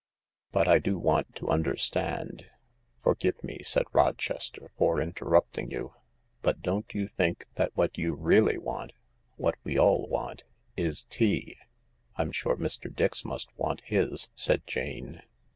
" But I do want to understand " "Forgive me," said Rochester, "for interrupting you, but don't you think that what you really want— what we all want — is tea ?"" Fm sure Mr. Dix must want his," said Jane.